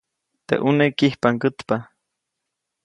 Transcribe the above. Teʼ ʼuneʼ kijpʼaŋgätpa.